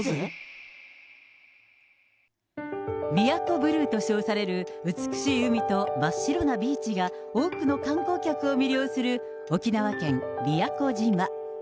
宮古ブルーと称される美しい海と真っ白なビーチが多くの観光客を魅了する沖縄県宮古島。